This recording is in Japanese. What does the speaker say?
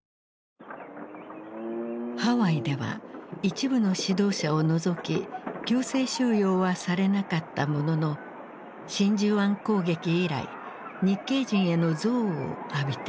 ハワイでは一部の指導者を除き強制収容はされなかったものの真珠湾攻撃以来日系人への憎悪を浴びていた。